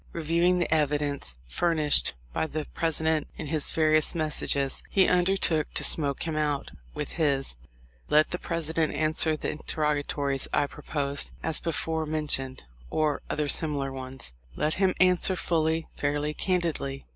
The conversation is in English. Reviewing the evidence furnished by the President in his various messages, he undertook to "smoke him out" with this : "Let the President answer the interrogatories I proposed, as before mentioned, or other similar ones. Let him answer fully, fairly, candidly.